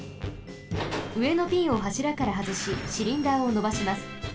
うえのピンをはしらからはずしシリンダーをのばします。